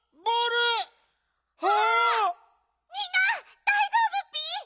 みんなだいじょうぶッピ？